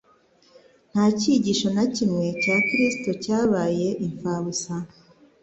Nta cyigisho na kimwe cya Kristo cyabaye imfabusa.